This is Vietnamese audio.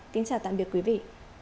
kính chào tạm biệt quý vị